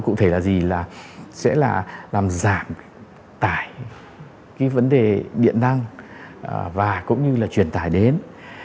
cụ thể là gì là sẽ là làm giảm tải cái vấn đề điện năng và cũng như là truyền tải đến